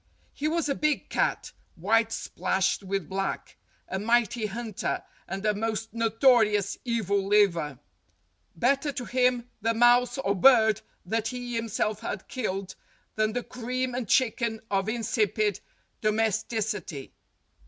He was a big cat, white splashed with black, a mighty hunter, and a most notorious evil liver. Better to him the mouse or bird that he himself had killed than the cream and chicken of insipid domesticity.